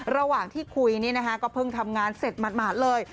ระหว่างที่คุยนี่นะคะก็เพิ่งทำงานเสร็จหมาดเลย